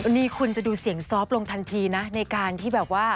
นี่คุณจะดูเสียงซอฟต์ลงทันทีนะในการที่แบบว่า